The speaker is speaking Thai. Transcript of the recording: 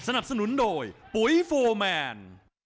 สนับสนุนโดยปุ๋ยโฟร์แมน